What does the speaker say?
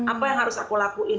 apa yang harus aku lakuin